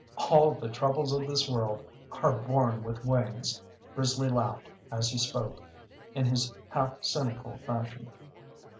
"All the troubles of this world are born with wings." Risley laughed, as he spoke, in his half cynical fashion.